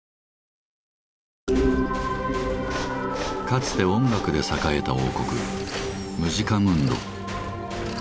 かつて音楽で栄えた王国「ムジカムンド」。